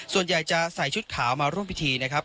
ส่วนใหญ่จะใส่ชุดขาวมาร่วมพิธีนะครับ